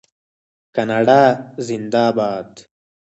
کاناډا زنده باد.